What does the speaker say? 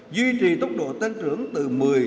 duy trì tốc độ tăng trưởng từ một